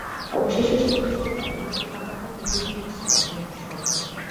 অবশেষে সে বুঝিতে পারিল, উহা তাহার নিজেরই হৃৎস্পন্দনের শব্দ।